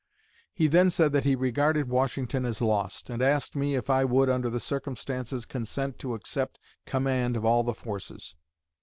He then said that he regarded Washington as lost, and asked me if I would, under the circumstances, consent to accept command of all the forces.